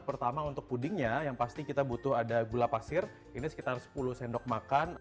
pertama untuk pudingnya yang pasti kita butuh ada gula pasir ini sekitar sepuluh sendok makan